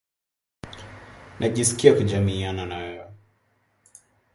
Trade along the Ouse Navigation consisted mostly of lime, chalk, manure, aggregates and coal.